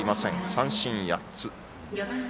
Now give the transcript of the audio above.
三振８つ。